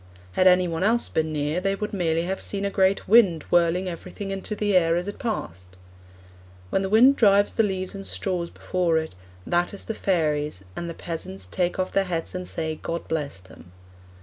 'Had any one else been near they would merely have seen a great wind whirling everything into the air as it passed.' When the wind drives the leaves and straws before it, 'that is the fairies, and the peasants take off their hats and say "God bless them."'